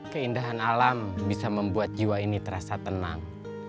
keindahan alam bisa membuat jiwa ini terasa tenang